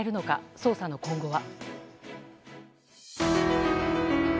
捜査の今後は。